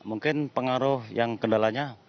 mungkin pengaruh yang kendalanya